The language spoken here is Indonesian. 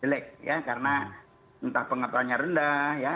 jelek ya karena entah pengetahuannya rendah ya